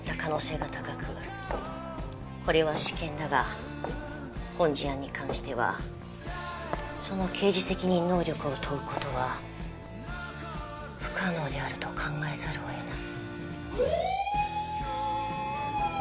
これは私見だが本事案に関してはその刑事責任能力を問う事は不可能であると考えざるを得ない。